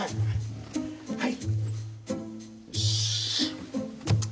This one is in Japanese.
はい。